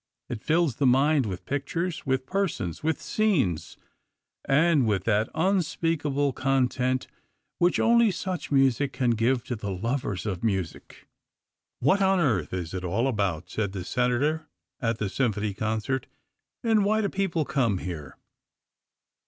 It fills the mind with pictures, with persons, with scenes, and with that unspeakable content which only such music can give to the lovers of music. "What on earth is it all about?" said the Senator at the Symphony Concert, "and why do people come here?"